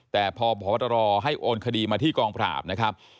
แต่พอพอตรอให้โอนคดีมาที่กองพราบ